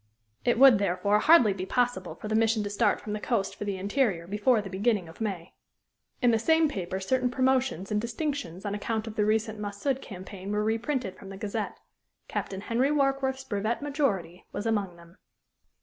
It would, therefore, hardly be possible for the mission to start from the coast for the interior before the beginning of May. In the same paper certain promotions and distinctions on account of the recent Mahsud campaign were reprinted from the Gazette. Captain Henry Warkworth's brevet majority was among them.